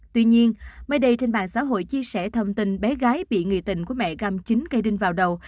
tuy nhiên mấy đầy trên bàn xã hội chia sẻ thông tin bé gái bị người tình của mẹ găm chính cây đinh vào đầu